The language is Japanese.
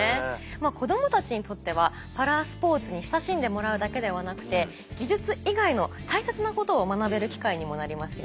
子供たちにとってはパラスポーツに親しんでもらうだけではなくて技術以外の大切なことを学べる機会にもなりますよね。